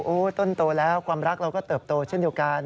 ต้นโตแล้วความรักเราก็เติบโตเช่นเดียวกัน